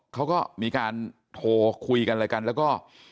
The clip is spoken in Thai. เขาก็มีการโทรคุยกันอะไรกันแล้วก็